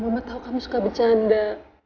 mama tahu kamu suka bercanda